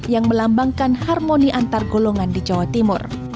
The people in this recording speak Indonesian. yang melambangkan harmoni antar golongan di jawa timur